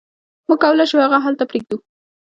موږ کولی شو هغه هلته پریږدو